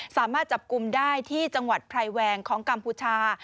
สามารถจับกลุ่มได้ที่จังหวัดไพรแวงของกัมพูชา